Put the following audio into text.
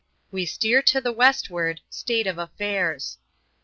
We steer to the westward — State of afibirs.